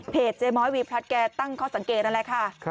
เจ๊ม้อยวีพลัดแกตั้งข้อสังเกตนั่นแหละค่ะ